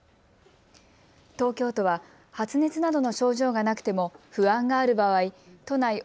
東京都は発熱などの症状がなくても不安がある場合都内